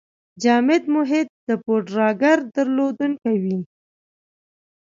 جامد محیط د پوډراګر درلودونکی وي.